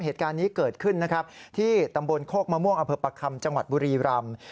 เหตุการณ์นี้เกิดขึ้นนะครับที่ตำบลโคกมะม่วงอำเภอประคำจังหวัดบุรีรำ